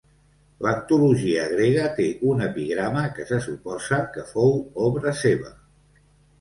L'antologia grega té un epigrama que se suposa que fou obra seva.